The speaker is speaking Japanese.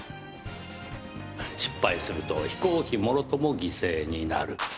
失敗すると飛行機もろとも犠牲になる。